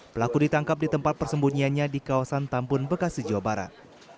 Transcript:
pelaku ditangkap di tempat persembunyiannya di kawasan tampun bekasi jawa barat